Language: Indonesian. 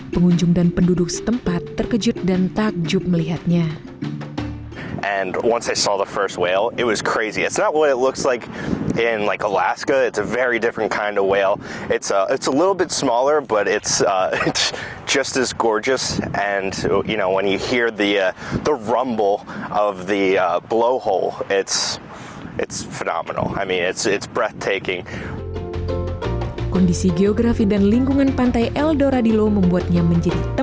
pengunjung dan penduduk setempat terkejut dan takjub melihatnya